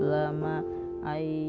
tidak ingin menjadi seorang hafiz